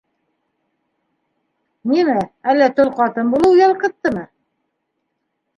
Нимә, әллә тол ҡатын булыу ялҡыттымы?